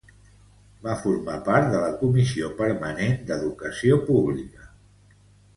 Va formar part de la comissió permanent d'Educació pública.